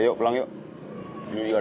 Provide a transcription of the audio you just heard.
ya rukhban allah